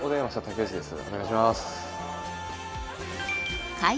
お願いします。